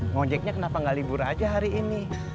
ngomong jacknya kenapa nggak libur aja hari ini